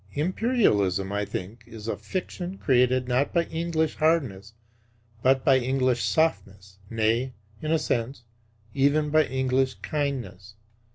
Imperialism, I think, is a fiction created, not by English hardness, but by English softness; nay, in a sense, even by English kindness.